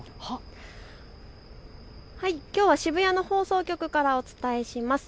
きょうは渋谷の放送局からお伝えします。